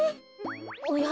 おや？